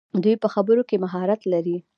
دوی په خبرو کې مهارت لري.